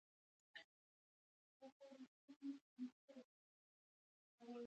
دوی سړکونه او بندرونه جوړ کړل.